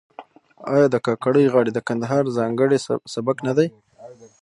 آیا د کاکړۍ غاړې د کندهار ځانګړی سبک نه دی؟